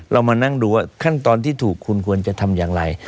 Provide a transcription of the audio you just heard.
มานั่งดูว่าขั้นตอนที่ถูกคุณควรจะทำอย่างไร